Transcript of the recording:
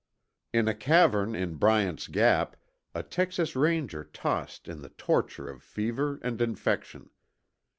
In a cavern in Bryant's Gap, a Texas Ranger tossed in the torture of fever and infection.